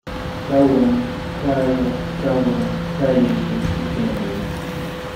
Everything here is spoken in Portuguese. Cauam, Kaila, Kauam, Kaiky e Kemilly